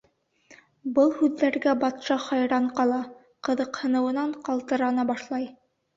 Был һүҙҙәргә батша хайран ҡала, ҡыҙыҡһыныуынан ҡалтырана башлай.